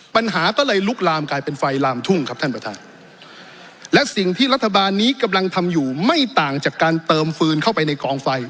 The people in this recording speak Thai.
ปัญหาก็เลยลุกลามกลายเป็นไฟลามทุ่งครับท่านประธานและสิ่งที่รัฐบาลนี้กำลังทำอยู่ไม่ต่างจากการเติมฟืนเข้าไปในกองไฟ